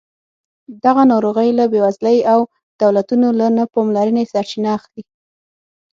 دغه ناروغۍ له بېوزلۍ او دولتونو له نه پاملرنې سرچینه اخلي.